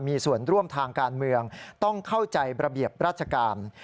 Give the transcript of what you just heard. มีส่วนร่วมทางการเมืองต้องเข้าใจระเบียบราชการ